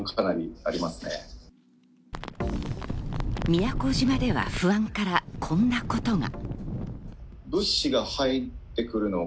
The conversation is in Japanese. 宮古島では不安からこんなことが。